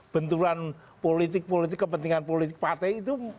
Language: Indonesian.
benturan politik politik kepentingan politik partai itu